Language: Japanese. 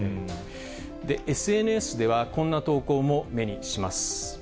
ＳＮＳでは、こんな投稿も目にします。